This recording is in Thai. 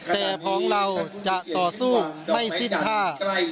แต่ของเราจะต่อสู้ไม่สิ้นท่า